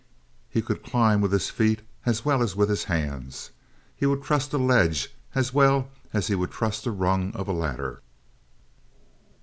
He could climb with his feet as well as his hands. He would trust a ledge as well as he would trust the rung of a ladder.